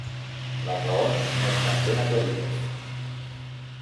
Les raons no estan ben aclarides.